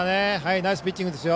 ナイスピッチングですよ。